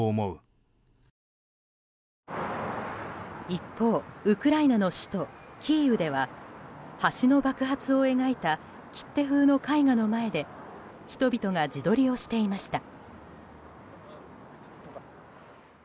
一方ウクライナの首都キーウでは橋の爆発を描いた切手風の絵画の前で人々が自撮りをしていました。